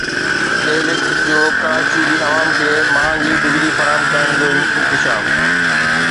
ڪي electric جو ڪراچي جي عوام کي مهانگي بجلي فراهم ڪرڻ جو انڪشاف